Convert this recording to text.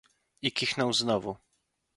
"I kichnął znowu."